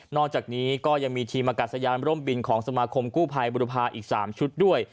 อกจากนี้ก็ยังมีทีมอากาศยานร่มบินของสมาคมกู้ภัยบุรพาอีก๓ชุดด้วย